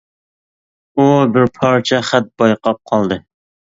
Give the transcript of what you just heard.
ئۇ بىر پارچە خەت بايقاپ قالدى.